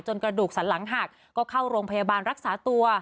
กระดูกสันหลังหักก็เข้าโรงพยาบาลรักษาตัว